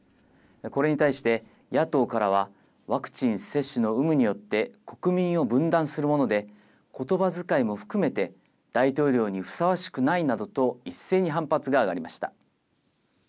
これに対して、野党からはワクチン接種の有無によって、国民を分断するもので、ことばづかいも含めて、大統領にふさわしくないなどと一斉に反発が上がりました。